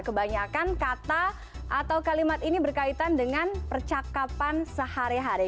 kebanyakan kata atau kalimat ini berkaitan dengan percakapan sehari hari